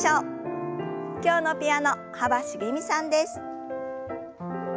今日のピアノ幅しげみさんです。